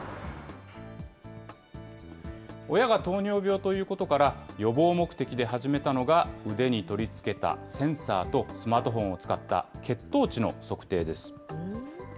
親が糖尿病ということから、予防目的で始めたのが、腕に取り付けたセンサーとスマートフォンを使った血糖値の測定です。